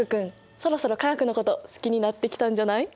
そろそろ化学のこと好きになってきたんじゃない？